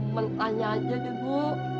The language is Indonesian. mentahnya aja deh bu